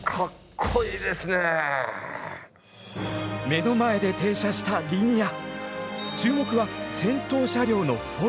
目の前で停車したリニア。